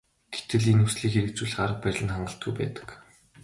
Гэтэл энэ хүслийг хэрэгжүүлэх арга барил нь хангалтгүй байдаг.